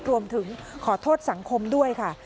รวมถึงขอโทษสังคมด้วยค่ะ